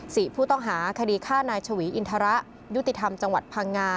สี่ผู้ต้องหาคดีฆ่านายชวีอินทระยุติธรรมจังหวัดพังงา